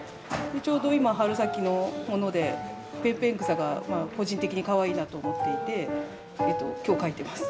ちょうど今春先のものでペンペン草が個人的にかわいいなと思っていて今日描いてます。